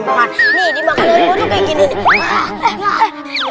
bukan nih dimakan harimau tuh kayak gini nih